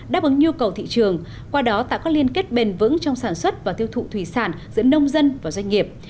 đáp ứng nhu cầu thị trường qua đó tạo các liên kết bền vững trong sản xuất và tiêu thụ thủy sản giữa nông dân và doanh nghiệp